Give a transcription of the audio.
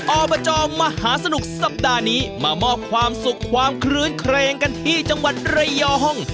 อบจมหาสนุกสัปดาห์นี้มามอบความสุขความคลื้นเครงกันที่จังหวัดระยอง